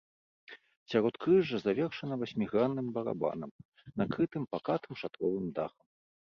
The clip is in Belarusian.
Сяродкрыжжа завершана васьмігранным барабанам, накрытым пакатым шатровым дахам.